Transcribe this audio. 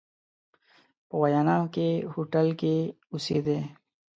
په ویانا کې هوټل کې اوسېدی.